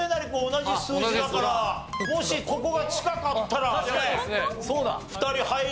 同じ数字だからもしここが近かったら２人入れる。